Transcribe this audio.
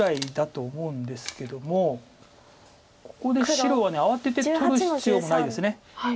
白は慌てて取る必要もないです。